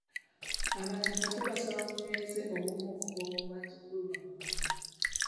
Abataka tubasaba munyweze obumu obwo mu bazzukulu bammwe.